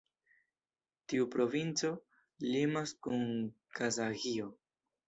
Tiu provinco limas kun Kazaĥio.